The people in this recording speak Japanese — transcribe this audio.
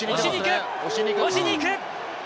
押しにいく！